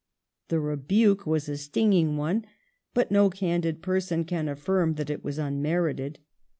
The rebuke was a stinging one, but no candid pei son can affirm that it was unmerited.